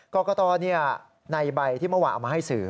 กรกตในใบที่เมื่อวานเอามาให้สื่อ